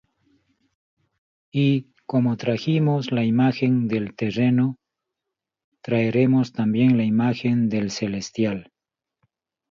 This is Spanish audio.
Y como trajimos la imagen del terreno, traeremos también la imagen del celestial.